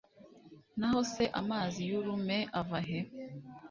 naho se amazi y'urume ava he